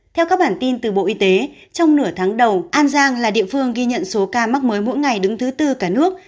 theo các bản tin từ bộ y tế trong nửa tháng đầu an giang là địa phương ghi nhận số ca mắc mới mỗi ngày đứng thứ tư cả nước